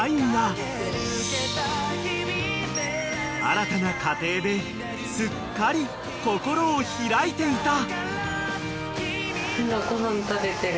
［新たな家庭ですっかり心を開いていた］